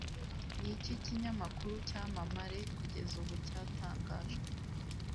Niki Kinyamakuru Cyamamare Kugeza ubu Cyatangajwe